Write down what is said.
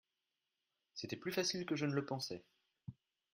C'était plus facile que je ne le pensais.